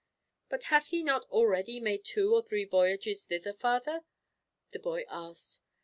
"But hath he not already made two or three voyages thither, Father?" the boy asked.